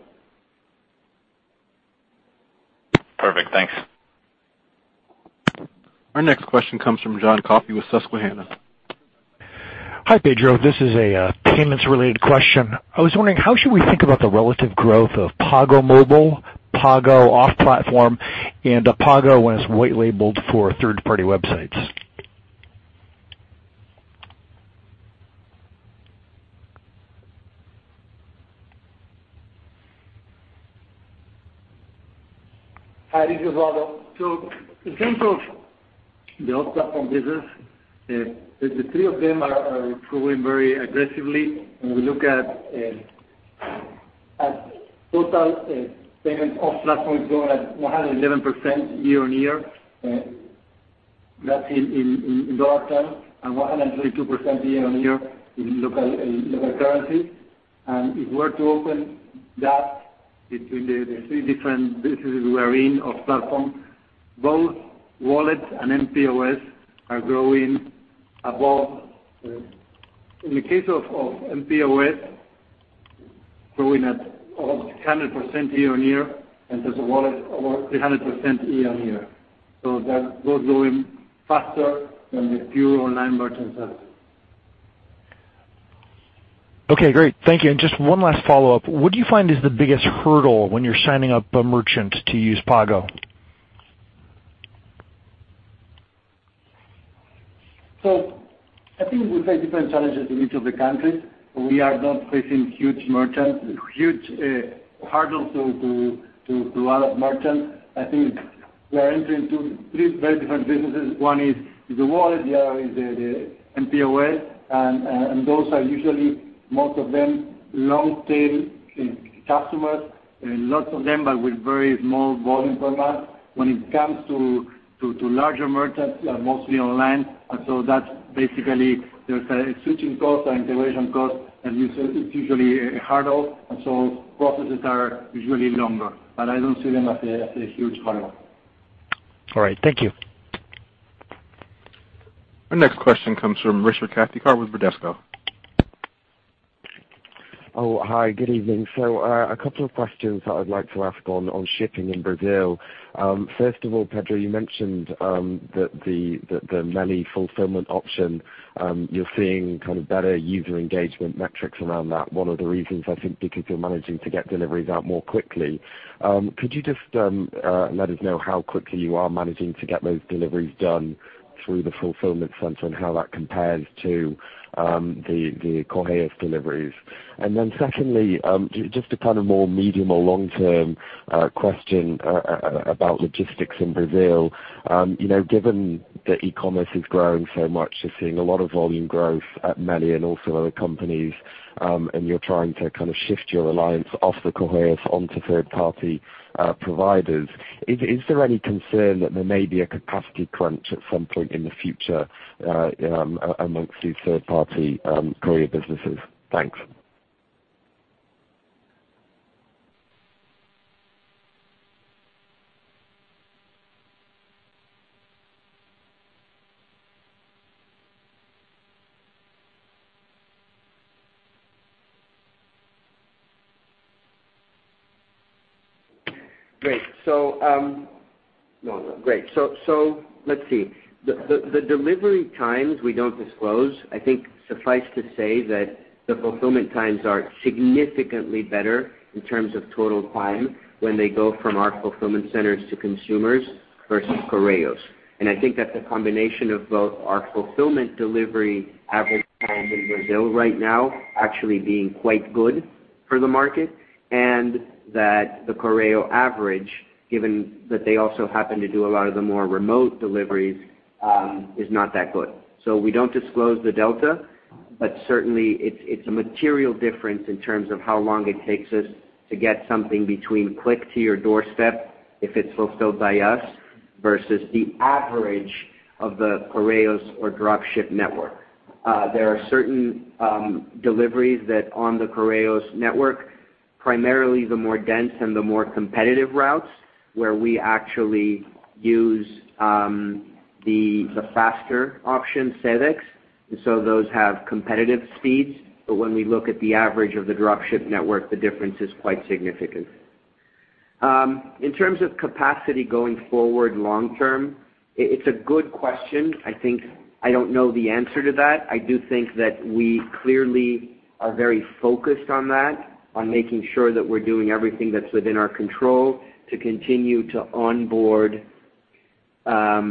Perfect. Thanks. Our next question comes from John Coffey with Susquehanna. Hi, Pedro. This is a payments-related question. I was wondering, how should we think about the relative growth of Pago Mobile, Pago off-platform, and Pago when it's white labeled for third-party websites? Hi, this is Osvaldo. In terms of the off-platform business, the three of them are growing very aggressively. When we look at total payments off-platform is growing at 111% year-on-year, that's in dollar terms, and 132% year-on-year in local currency. If we were to open that between the three different businesses we are in off-platform, both Wallets and mPOS are growing. In the case of mPOS, growing at almost 100% year-on-year, and as a wallet, over 300% year-on-year. Both growing faster than the pure online merchant side. Okay, great. Thank you. Just one last follow-up. What do you find is the biggest hurdle when you're signing up a merchant to use Pago? I think we face different challenges in each of the countries. We are not facing huge hurdles to a lot of merchants. I think we are entering three very different businesses. One is the Wallet, the other is the mPOS. Those are usually, most of them, long-tail customers, lots of them, but with very small volume per month. When it comes to larger merchants, they are mostly online, that's basically there's a switching cost and integration cost, it's usually a hurdle, processes are usually longer, but I don't see them as a huge hurdle. All right. Thank you. Our next question comes from Richard Cathcart with Bradesco. Hi. Good evening. A couple of questions that I'd like to ask on shipping in Brazil. First of all, Pedro, you mentioned that the MercadoLibre fulfillment option, you're seeing kind of better user engagement metrics around that. One of the reasons, I think, because you're managing to get deliveries out more quickly. Could you just let us know how quickly you are managing to get those deliveries done through the fulfillment center and how that compares to the Correios deliveries? Secondly, just a kind of more medium or long-term question about logistics in Brazil. Given that e-commerce is growing so much, you're seeing a lot of volume growth at MercadoLibre and also other companies, and you're trying to kind of shift your reliance off the Correios onto third-party providers. Is there any concern that there may be a capacity crunch at some point in the future amongst these third-party courier businesses? Thanks. Let's see. The delivery times we don't disclose. I think suffice to say that the fulfillment times are significantly better in terms of total time when they go from our fulfillment centers to consumers versus Correios. I think that's a combination of both our fulfillment delivery average time in Brazil right now actually being quite good for the market, and that the Correios average, given that they also happen to do a lot of the more remote deliveries, is not that good. We don't disclose the delta, but certainly it's a material difference in terms of how long it takes us to get something between click to your doorstep if it's fulfilled by us versus the average of the Correios or drop ship network. There are certain deliveries that on the Correios network, primarily the more dense and the more competitive routes where we actually use the faster option, Sedex. Those have competitive speeds. When we look at the average of the drop ship network, the difference is quite significant. In terms of capacity going forward long term, it's a good question. I think I don't know the answer to that. I do think that we clearly are very focused on that, on making sure that we're doing everything that's within our control to continue to onboard as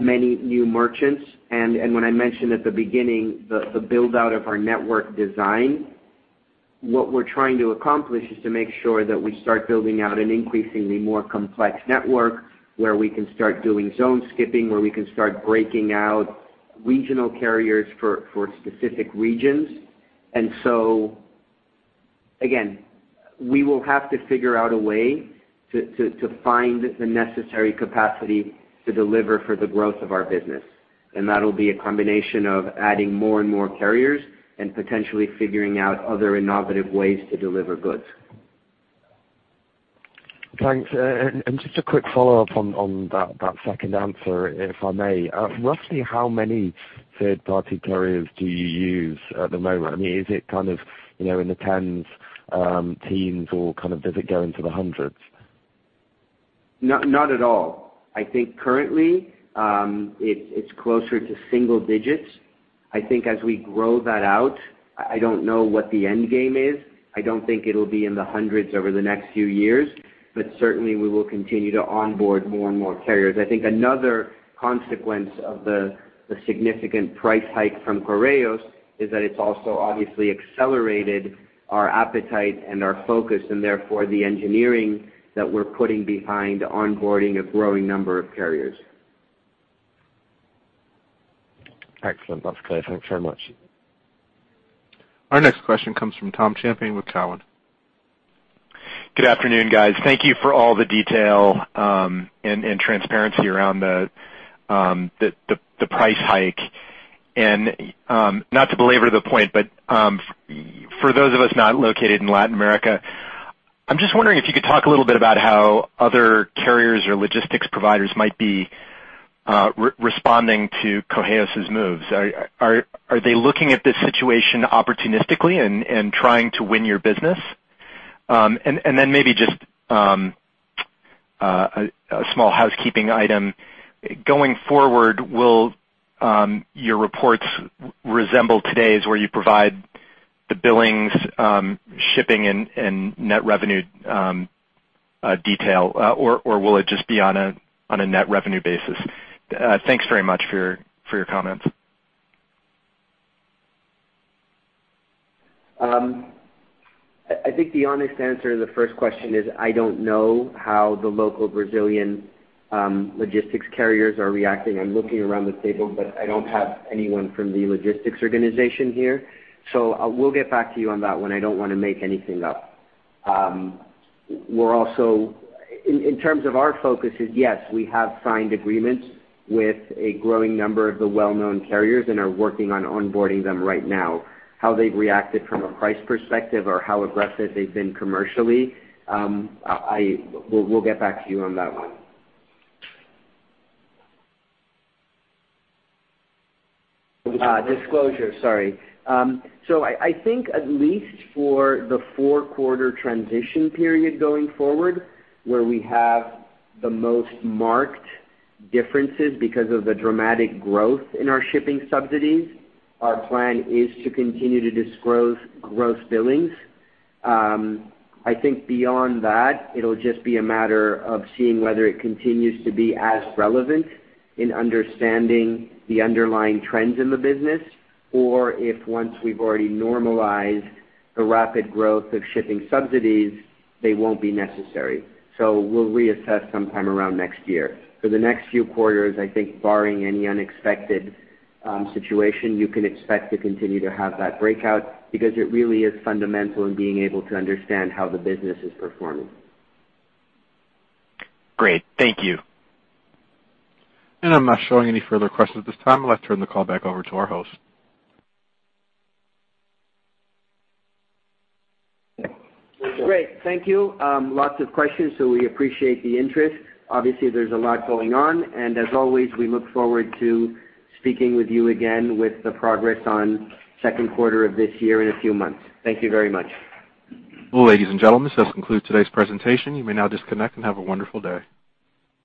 many new merchants. When I mentioned at the beginning the build-out of our network design, what we're trying to accomplish is to make sure that we start building out an increasingly more complex network where we can start doing zone skipping, where we can start breaking out regional carriers for specific regions. Again, we will have to figure out a way to find the necessary capacity to deliver for the growth of our business. That'll be a combination of adding more and more carriers and potentially figuring out other innovative ways to deliver goods. Thanks. Just a quick follow-up on that second answer, if I may. Roughly how many third-party carriers do you use at the moment? I mean, is it kind of in the tens, teens or kind of does it go into the hundreds? Not at all. I think currently, it's closer to single digits. I think as we grow that out, I don't know what the end game is. I don't think it'll be in the hundreds over the next few years, but certainly we will continue to onboard more and more carriers. I think another consequence of the significant price hike from Correios is that it's also obviously accelerated our appetite and our focus, and therefore the engineering that we're putting behind onboarding a growing number of carriers. Excellent. That's clear. Thanks very much. Our next question comes from Thomas Champion with Cowen. Good afternoon, guys. Thank you for all the detail and transparency around the price hike. Not to belabor the point, but for those of us not located in Latin America, I'm just wondering if you could talk a little bit about how other carriers or logistics providers might be responding to Correios' moves. Are they looking at this situation opportunistically and trying to win your business? Maybe just a small housekeeping item. Going forward, will your reports resemble today's, where you provide the billings, shipping, and net revenue detail, or will it just be on a net revenue basis? Thanks very much for your comments. I think the honest answer to the first question is, I don't know how the local Brazilian logistics carriers are reacting. I'm looking around the table, but I don't have anyone from the logistics organization here, so we'll get back to you on that one. I don't want to make anything up. In terms of our focuses, yes, we have signed agreements with a growing number of the well-known carriers and are working on onboarding them right now. How they've reacted from a price perspective or how aggressive they've been commercially, we'll get back to you on that one. Disclosure, sorry. I think at least for the 4-quarter transition period going forward, where we have the most marked differences because of the dramatic growth in our shipping subsidies, our plan is to continue to disclose gross billings. I think beyond that, it'll just be a matter of seeing whether it continues to be as relevant in understanding the underlying trends in the business, or if once we've already normalized the rapid growth of shipping subsidies, they won't be necessary. We'll reassess sometime around next year. For the next few quarters, I think barring any unexpected situation, you can expect to continue to have that breakout because it really is fundamental in being able to understand how the business is performing. Great. Thank you. I'm not showing any further questions at this time. I'd like to turn the call back over to our host. Great. Thank you. Lots of questions, so we appreciate the interest. Obviously, there's a lot going on. As always, we look forward to speaking with you again with the progress on second quarter of this year in a few months. Thank you very much. Well, ladies and gentlemen, this concludes today's presentation. You may now disconnect, and have a wonderful day.